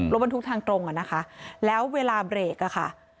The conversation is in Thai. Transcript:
รถบรรทุกทางตรงอ่ะนะคะแล้วเวลาเบรกอะค่ะ